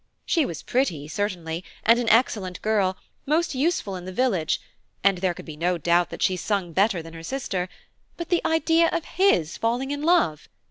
She was pretty, certainly, and an excellent girl, most useful in the village, and there could be no doubt that she sung better than her sister–but the idea of his falling in love!